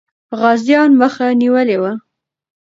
غازيان مخه نیولې وه.